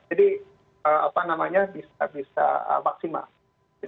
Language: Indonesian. jadi apa namanya bisa maksimal